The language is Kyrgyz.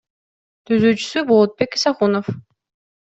Түзүүчүсү — Болотбек Исахунов.